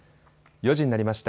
４時になりました。